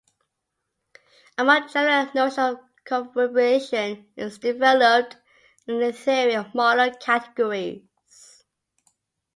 A more general notion of cofibration is developed in the theory of model categories.